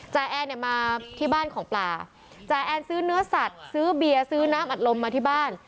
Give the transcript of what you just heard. แอนเนี่ยมาที่บ้านของปลาจ่าแอนซื้อเนื้อสัตว์ซื้อเบียร์ซื้อน้ำอัดลมมาที่บ้าน